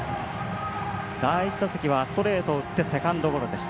第１打席はストレートを打ってセカンドゴロでした。